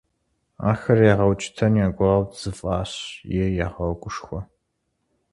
Ахэр ягъэукӀытэн я гугъэу дзы фӀащ е ягъэгушхуэ.